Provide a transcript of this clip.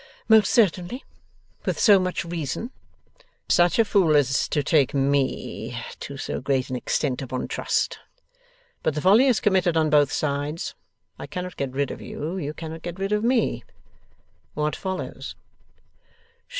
'Most certainly, with so much reason. ' Such a fool as to take ME to so great an extent upon trust. But the folly is committed on both sides. I cannot get rid of you; you cannot get rid of me. What follows?